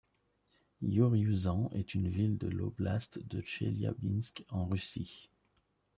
Iouriouzan est une ville de l'oblast de Tcheliabinsk, en Russie.